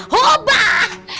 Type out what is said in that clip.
hatiku bertanya tanya